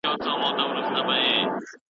لالی مي ځي زه په کنډو ولاړه يمه